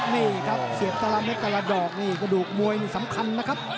นี่ครับเสียบแต่ละเม็ดแต่ละดอกนี่กระดูกมวยนี่สำคัญนะครับ